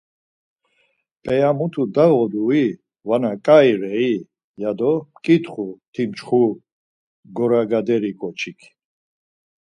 p̌eya mutu dağodui vana ǩai rei, ya do mǩitxu timçxu, goragaderi ǩoçik.